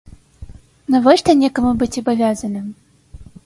Навошта некаму быць абавязаным?